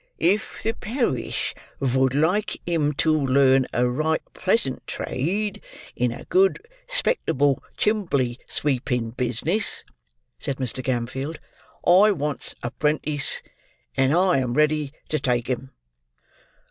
"If the parish vould like him to learn a right pleasant trade, in a good 'spectable chimbley sweepin' bisness," said Mr. Gamfield, "I wants a 'prentis, and I am ready to take him."